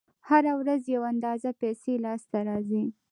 هره ورځ یوه اندازه پیسې لاس ته راځي